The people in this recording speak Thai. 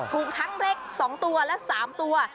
ถูกทั้งเล็ก๒ตัวและ๓ตัว